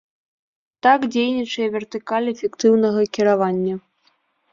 Так дзейнічае вертыкаль эфектыўнага кіравання.